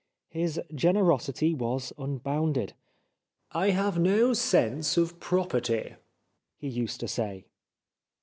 His generosity was unbounded. " I have no sense of property," he used to say; 282 TJTV ]<rT7